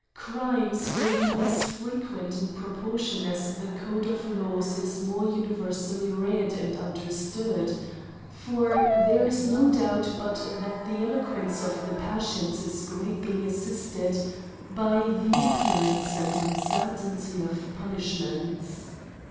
Crimes will be less frequent in proportion as the code of laws is more universally read and understood; for there is no doubt but that the eloquence of the passions is greatly assisted by the ignorance and uncertainty of punishments.